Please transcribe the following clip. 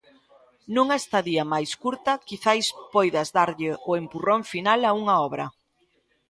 Nunha estadía máis curta, quizais poidas darlle o empurrón final a unha obra.